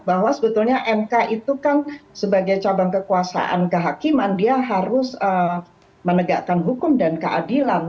bahwa sebetulnya mk itu kan sebagai cabang kekuasaan kehakiman dia harus menegakkan hukum dan keadilan